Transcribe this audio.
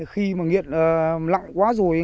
khi mà nghiện lặng quá rồi